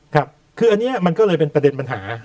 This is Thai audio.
ครับคืออันนี้มันก็เลยเป็นประเด็นปัญหา